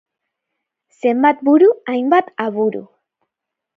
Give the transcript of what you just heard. Zenbat buru, hainbat aburu.